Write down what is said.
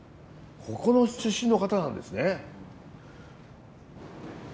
ここの出身の方なんですね。